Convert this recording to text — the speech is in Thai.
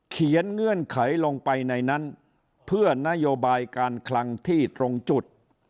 เงื่อนไขลงไปในนั้นเพื่อนโยบายการคลังที่ตรงจุด